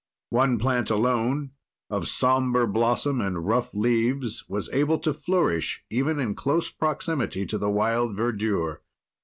One plant alone, of somber blossom and rough leaves, was able to flourish even in close proximity to the wild verdure.